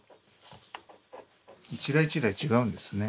一台一台違うんですね。